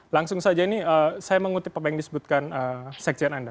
langsung saja ini saya mengutip apa yang disebutkan sekjen anda